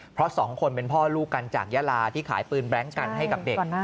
เพราะสองคนเป็นพ่อลูกกันจากยาลาที่ขายปืนแบล็งกันให้กับเด็ก